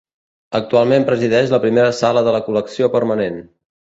Actualment presideix la primera sala de la col·lecció permanent.